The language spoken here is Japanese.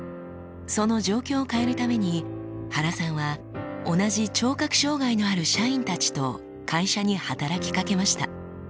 その状況を変えるために原さんは同じ聴覚障がいのある社員たちと会社に働きかけました。